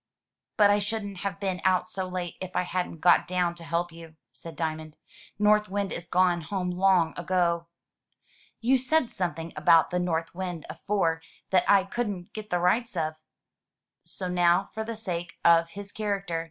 "But I shouldn't have been out so late if I hadn't got down to help you/* said Diamond. "North Wind is gone home long ago.'* "You said something about the north wind afore that I couldn't get the rights of." So now, for the sake of his character.